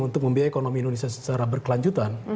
untuk membiayai ekonomi indonesia secara berkelanjutan